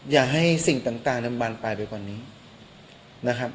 อย่าให้สิ่งต่างมันบานปลายไปกว่านี้นะครับ